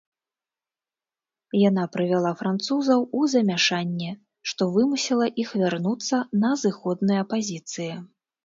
Яна прывяла французаў у замяшанне, што вымусіла іх вярнуцца на зыходныя пазіцыі.